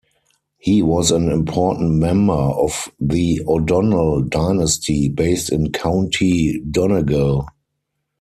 He was an important member of the O'Donnell dynasty based in County Donegal.